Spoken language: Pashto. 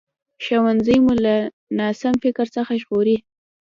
ښوونځی مو له ناسم فکر څخه ژغوري